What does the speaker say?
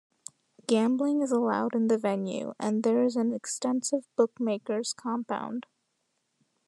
Gambling is allowed in the venue, and there is an extensive bookmaker's compound.